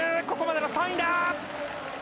ここまでの３位だ！